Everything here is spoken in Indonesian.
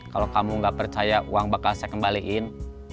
kalau kamu gak percaya uang bakal saya kembaliin